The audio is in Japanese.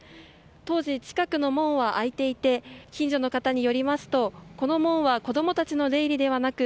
当時近くの門は開いていて近所の方によりますとこの門は子供たちの出入りではなく